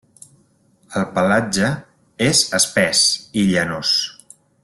El pelatge és espès i llanós.